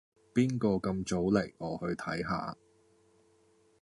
邊個咁早嚟？我去睇下